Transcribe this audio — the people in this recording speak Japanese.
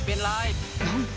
なんか